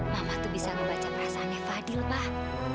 mama tuh bisa ngebaca perasaannya fadil pak